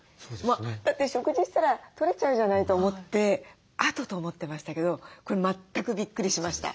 だって食事したら取れちゃうじゃないと思って後と思ってましたけどこれ全くびっくりしました。